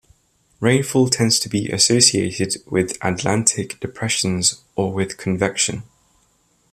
Rainfall tends to be associated with Atlantic depressions or with convection.